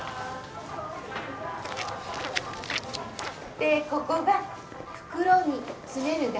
でここが袋に詰める台。